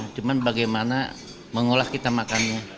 cuma bagaimana mengolah kita makannya